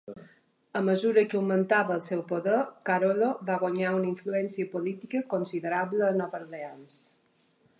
A mesura que augmentava el seu poder, Carollo va guanyar una influència política considerable a Nova Orleans.